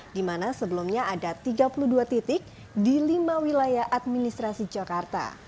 di mana sebelumnya ada tiga puluh dua titik di lima wilayah administrasi jakarta